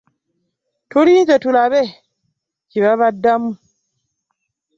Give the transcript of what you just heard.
Tulinze tulabe kye babaddamu.